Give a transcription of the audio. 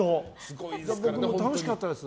でも楽しかったです。